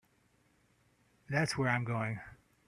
That's where I'm going.